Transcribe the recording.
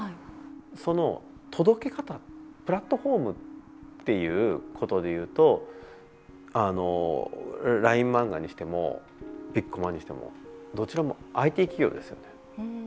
その届け方、プラットフォームっていうことでいうとＬＩＮＥマンガにしてもピッコマにしてもどちらもＩＴ企業ですよね。